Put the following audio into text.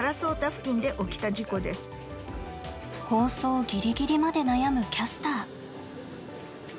放送ギリギリまで悩むキャスター。